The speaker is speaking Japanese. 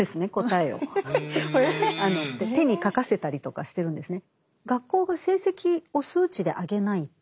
え⁉手に書かせたりとかしてるんですね。